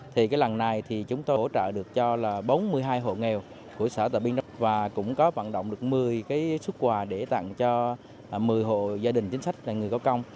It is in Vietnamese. thì cái lần này thì chúng tôi hỗ trợ được cho là bốn mươi hai hộ nghèo của sở tà biên và cũng có vận động được một mươi cái xuất quà để tặng cho một mươi hộ gia đình chính sách là người có công